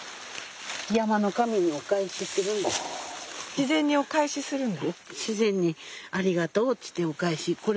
自然にお返しするんだ。